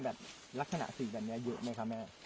ลักษณะสิ่งแบบนี้เยอะไหมคะแม่